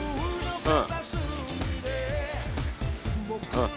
うん。